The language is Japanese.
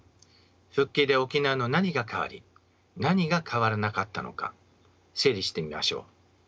復帰で沖縄の何が変わり何が変わらなかったのか整理してみましょう。